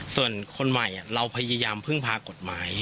ส่วนคนใหม่เราพยายามพึ่งพากฎหมาย